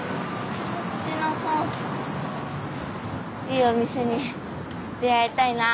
いいお店に出会いたいな。